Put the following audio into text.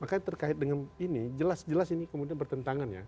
makanya terkait dengan ini jelas jelas ini kemudian bertentangan ya